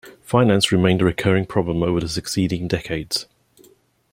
Finance remained a recurring problem over the succeeding decades.